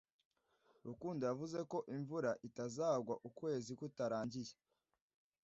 Rukundo yavuze ko imvura itazagwa ukwezi kutarangiye.